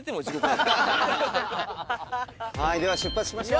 では出発しましょう！